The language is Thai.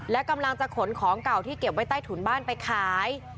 และกำลังจะขนของเก่าที่เก็บไว้ใต้ถุนบ้านไปขาย